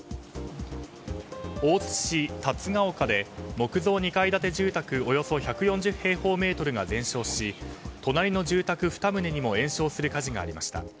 大津市竜が丘で木造２階建て住宅およそ１４０平方メートルが全焼し隣の住宅２棟にも延焼する事故がありました。